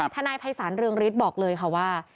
ทนายภัยศาลเรืองฤทธิ์บอกเลยค่ะว่า